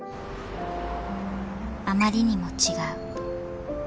［あまりにも違う］